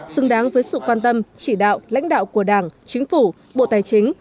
xứng đáng với sự quan tâm chỉ đạo lãnh đạo của đảng chính phủ bộ tài chính